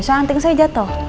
soalnya anting saya jatuh